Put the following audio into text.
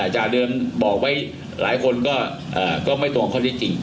จาเดิมบอกไว้หลายคนก็ไม่ตรงข้อที่จริง